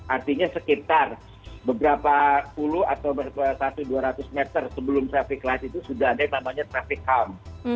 artinya sekitar beberapa puluh atau satu dua ratus meter sebelum traffic light itu sudah ada yang namanya traffic comp